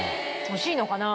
惜しいのかな？